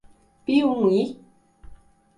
Piumhi